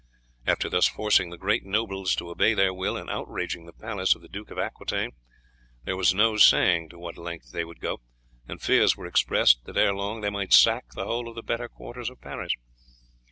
After thus forcing the great nobles to obey their will and outraging the palace of the Duke of Aquitaine, there was no saying to what length they would go, and fears were expressed that ere long they might sack the whole of the better quarters of Paris.